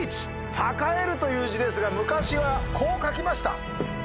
栄えるという字ですが昔はこう書きました。